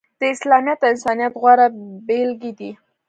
د اسلامیت او انسانیت غوره بیلګې دي.